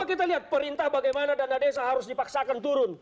kita lihat perintah bagaimana dana desa harus dipaksakan turun